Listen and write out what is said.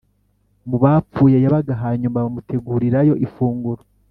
mu bapfuye yabaga Hanyuma bamutegurirayo ifunguro